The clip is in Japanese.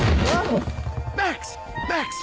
マックスマックス。